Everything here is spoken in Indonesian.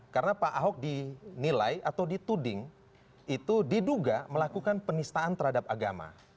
karena pak ahok dinilai atau dituding itu diduga melakukan penistaan terhadap agama